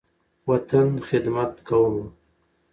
وطن، خدمت کومه